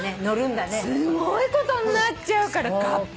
すごいことになっちゃうから。